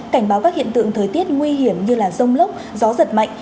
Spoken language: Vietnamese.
cảnh báo các hiện tượng thời tiết nguy hiểm như rông lốc gió giật mạnh